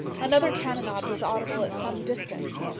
Another cannonade was audible at some distance.